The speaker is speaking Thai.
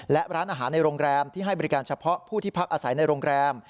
และร้านอาหารในโรงแรมที่ให้บริการเฉพาะผู้ที่พักอาศัยในโรงแรม